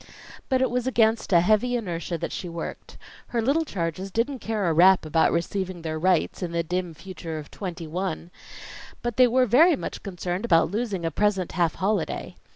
But it was against a heavy inertia that she worked. Her little charges didn't care a rap about receiving their rights, in the dim future of twenty one; but they were very much concerned about losing a present half holiday.